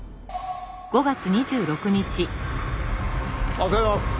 ・お疲れさまです。